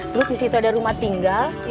terus di situ ada rumah tinggal